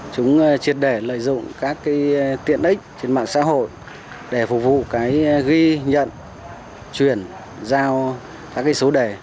chúng triệt đề lợi dụng các tiện ích trên mạng xã hội để phục vụ ghi nhận truyền giao các số đề